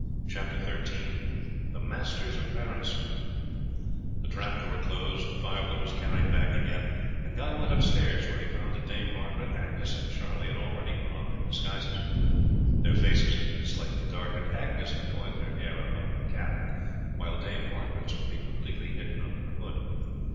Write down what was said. CHAPTER XIII THE MASTERS OF PARIS The trap door closed, the firewood was carried back again, and Guy went upstairs, where he found that Dame Margaret, Agnes, and Charlie had already put on their disguises. Their faces had been slightly darkened; Agnes had coiled her hair up under a cap, while Dame Margaret's would be completely hidden under the hood.